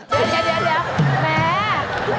เดี๋ยว